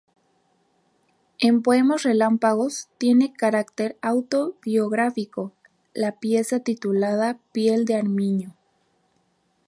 En "Poemas relámpagos" tiene carácter autobiográfico la pieza titulada "Piel de armiño".